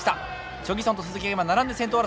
チョ・ギソンと鈴木が今並んで先頭争いです。